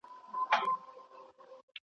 ملیاره ړوند یې که په پښو شل یې ,